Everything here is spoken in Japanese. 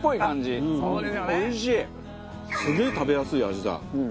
すげえ食べやすい味だ。